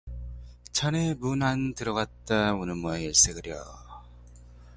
자네 문안 들어갔다 오는 모양일세그려.